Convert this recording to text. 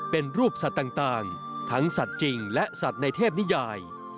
เป็นรูปสัตว์ต่างทั้งสัตว์จริงและสัตว์ในเทพนิยาย